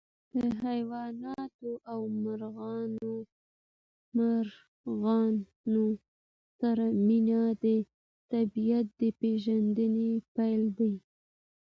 د حیواناتو او مرغانو سره مینه د طبیعت د پېژندنې پیل دی.